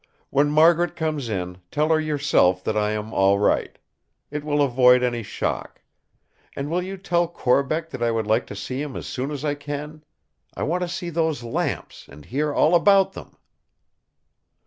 When Margaret comes in, tell her yourself that I am all right. It will avoid any shock! And will you tell Corbeck that I would like to see him as soon as I can. I want to see those lamps, and hear all about them!"